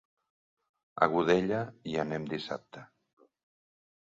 A Godella hi anem dissabte.